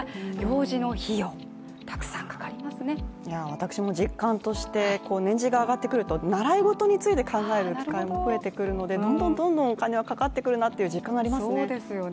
私も実感として年次が上がってくると習い事についてお金がかかるのでどんどんお金がかかってくるなという実感はありますね。